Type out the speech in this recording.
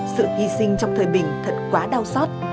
sự hy sinh trong thời bình thật quá đau xót